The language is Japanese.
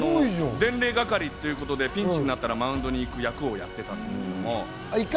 伝令係で、ピンチになったらマウンドに行く役をやってたんです。